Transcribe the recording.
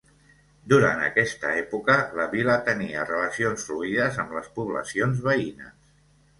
Durant aquesta època la vila tenia relacions fluides amb les poblacions veïnes.